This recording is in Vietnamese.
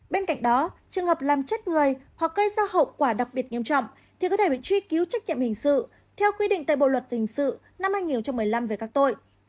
bên cạnh đó trường hợp làm chết người hoặc gây ra hậu quả đặc biệt nghiêm trọng thì có thể bị truy cứu trách nhiệm hình sự theo quy định tại bộ luật hình sự năm hai nghìn một mươi năm về các tội